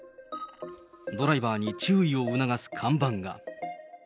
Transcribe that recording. ドライバーに注意を促す看板が。